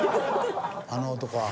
あの男は。